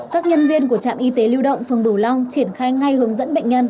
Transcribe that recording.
các nhân viên của trạm y tế lưu động phương bửu long triển khai ngay hướng dẫn bệnh nhân